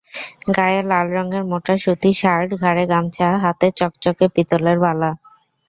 গায়ে লাল রঙের মোটা সুতি শার্ট, ঘাড়ে গামছা, হাতে চকচকে পিতলের বালা।